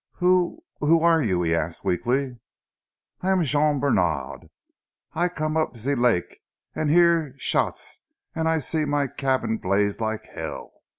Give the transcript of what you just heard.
"Who ... who are you?" he asked weakly. "I am Jean Bènard. I come up zee lak' an' hear shots an' I see my cabin blaze like hell.